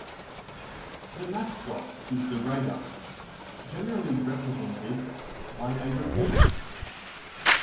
The mascot is the Raider, generally represented by a raccoon.